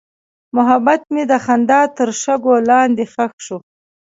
محبت مې د خندا تر شګو لاندې ښخ شو.